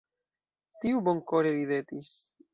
Tiu bonkore ridetis.